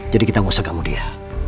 jadi kita mengusahakamu dia